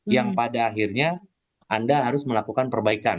yang pada akhirnya anda harus melakukan perbaikan